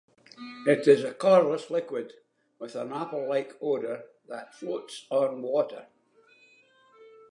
It is a colorless liquid with an apple-like odor, that floats on water.